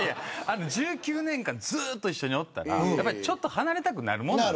１９年間ずっと一緒におったらちょっと離れたくなるものです。